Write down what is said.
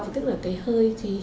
nhưng em vẫn phải hít thụ động